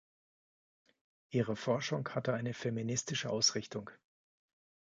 Ihre Forschung hatte eine feministische Ausrichtung.